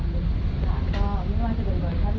แต่เดี๋ยวที่หลังไทยเวิมเปิดแพร่ก็เป็นสิ่งที่สุด